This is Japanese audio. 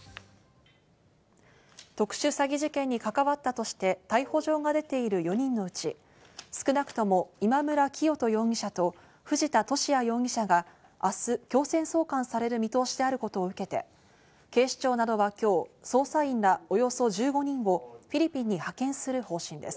特殊詐欺事件に関わったとして逮捕状が出ている４人のうち、少なくとも今村磨人容疑者と藤田聖也容疑者が明日、強制送還される見通しであることを受けて、警視庁などは今日、捜査員らおよそ１５人をフィリピンに派遣する方針です。